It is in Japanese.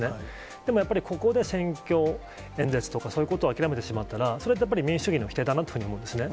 でもやっぱり、ここで選挙演説とか、そういうことを諦めてしまったら、それはやっぱり民主主義の否定だなと思うんですね。